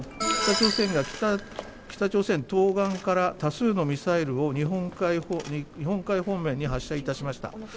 北朝鮮東岸から多数のミサイルを日本海方面に発射いたしました。